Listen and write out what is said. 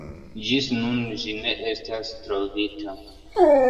Ĝis nun ĝi ne estas trovita.